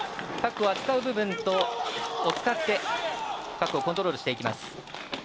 パックを扱う部分を使ってパックをコントロールしていきます。